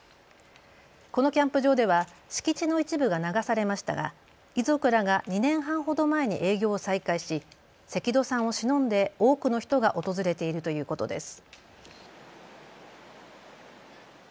このキャンプ場では敷地の一部が流されましたが遺族らが２年半ほど前に営業を再開し関戸さんをしのんで多くの人が訪れているということです。